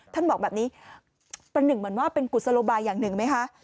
ท่านบอกแบบนี้เป็นกุศลบายอย่างหนึ่งไหมคะ